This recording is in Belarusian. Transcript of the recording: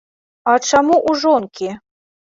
А чаму ў жонкі?